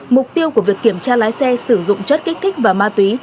mục tiêu của việc kiểm tra lái xe sử dụng chất kích thích và ma túy